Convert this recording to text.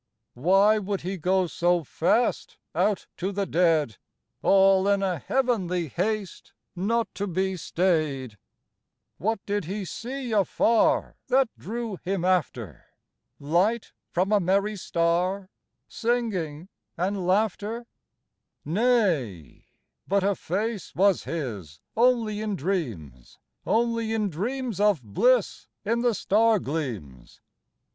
Why would he go so fast Out to the dead, All in* a heavenly haste Not to be stayed ? What did he see afar That drew him after ? Light from a merry star, Singing and laughter ? 32 FLOWER OF YOUTH Nay, but a face was his Only in dreams, Only in dreams of bliss In the star gleams.